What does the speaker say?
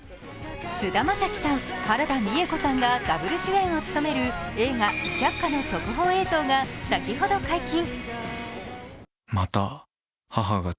菅田将暉さん、原田美枝子さんがダブル主演を務める映画「百花」の特報映像が先ほど解禁。